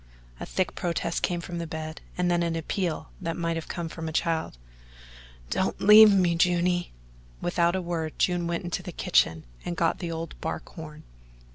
A thick protest came from the bed, and then an appeal that might have come from a child. "Don't leave me, Juny." Without a word June went into the kitchen and got the old bark horn.